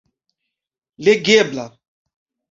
legebla